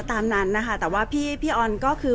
แต่ว่าสามีด้วยคือเราอยู่บ้านเดิมแต่ว่าสามีด้วยคือเราอยู่บ้านเดิม